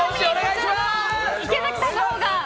池崎さんのほうがええ？